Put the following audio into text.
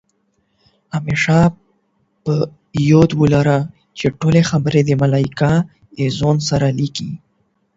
همېشه په یاد ولره، چې ټولې خبرې دې ملائکې له ځان سره لیکي